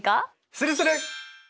するする！